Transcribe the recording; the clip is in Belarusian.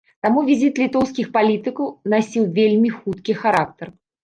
Таму візіт літоўскіх палітыкаў насіў вельмі хуткі характар.